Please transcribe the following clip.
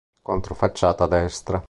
Controfacciata destra.